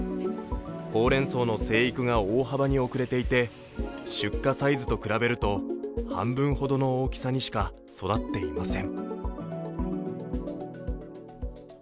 ほうれんそうの成育が大幅に遅れていて出荷サイズと比べると半分ほどの大きさにしか育っていません。